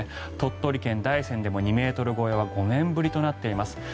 鳥取県大山でも２ｍ超えは５年ぶりとなっています。